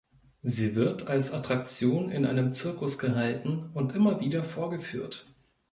Sie wird als Attraktion in einem Zirkus „gehalten“ und immer wieder vorgeführt.